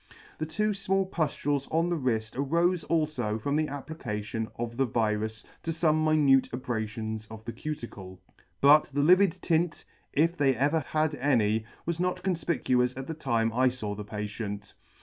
The two fmall puftules on the wrifts arofe alfo from the application of the virus to fome minute abrafions of the cuticle, but the livid tint, if they ever had any, was not confpicuous at the time I faw the patient.